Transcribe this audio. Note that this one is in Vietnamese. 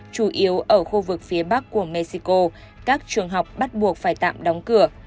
chủ yếu ở khu vực phía bắc của mexico các trường học bắt buộc phải tạm đóng cửa